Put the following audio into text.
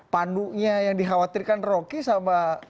panduknya yang dikhawatirkan rocky sama